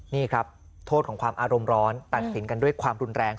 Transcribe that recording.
นี่ครับโทษของความอารมณ์ร้อนตัดสินกันด้วยความรุนแรง